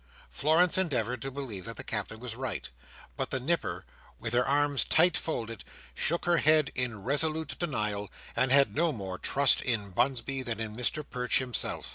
Florence endeavoured to believe that the Captain was right; but the Nipper, with her arms tight folded, shook her head in resolute denial, and had no more trust in Bunsby than in Mr Perch himself.